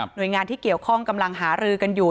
โดยงานที่เกี่ยวข้องกำลังหารือกันอยู่